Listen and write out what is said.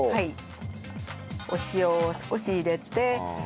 お塩を少し入れて。